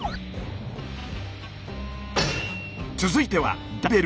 続いてはダンベル。